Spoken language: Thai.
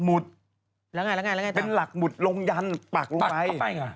มันจะมุดได้ไง